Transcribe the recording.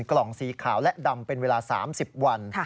กล่องสีขาวและดำเป็นเวลา๓๐วัน